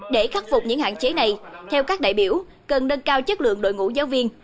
để khắc phục những hạn chế này theo các đại biểu cần nâng cao chất lượng đội ngũ giáo viên